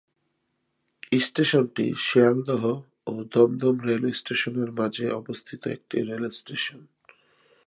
স্টেশনটি শিয়ালদহ ও দমদম রেলওয়ে স্টেশন-এর মাঝে অবস্থিত একটি রেল স্টেশন।